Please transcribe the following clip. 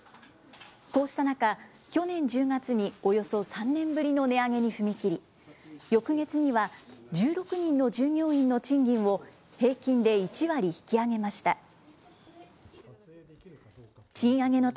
こうした中、去年１０月におよそ３年ぶりの値上げに踏み切り、翌月には１６人の従業員の賃金を平均で１割引き上げました。